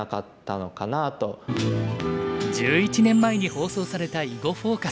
１１年前に放送された「囲碁フォーカス」。